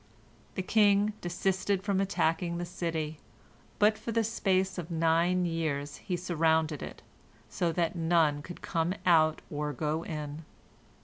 The king desisted from attacking the city, but for the space of nine years he surrounded it, so that none could come out or go in.